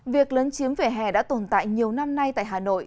việc lớn chiếm vẻ hè đã tồn tại nhiều năm nay tại hà nội